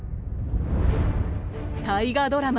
大河ドラマ